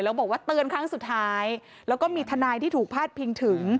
แล้วบอกว่าเตือนครั้งสุดท้ายแล้วก็มีทนายที่ถูกพาดพิงถึง